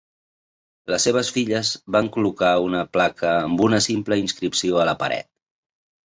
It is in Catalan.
Les seves filles van col·locar una placa amb una simple inscripció a la paret.